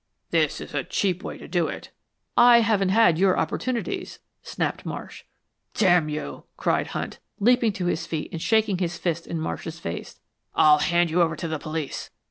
"This is a cheap way to do it." "I haven't had your opportunities," snapped Marsh. "Damn you!" cried Hunt, leaping to his feet and shaking his fist in Marsh's face. "I'll hand you over to the police."